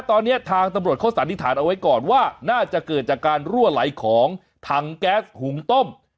ตอนนี้ทางตำรวจเขาสันนิษฐานเอาไว้ก่อนว่าน่าจะเกิดจากการรั่วไหลของถังแก๊สหุงต้ม